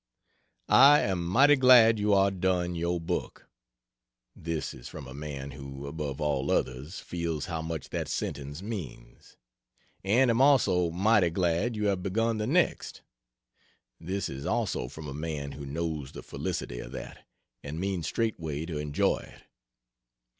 I am mighty glad you are done your book (this is from a man who, above all others, feels how much that sentence means) and am also mighty glad you have begun the next (this is also from a man who knows the felicity of that, and means straightway to enjoy it.)